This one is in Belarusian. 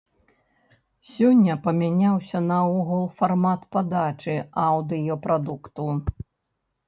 Сёння памяняўся наогул фармат падачы аўдыёпрадукту.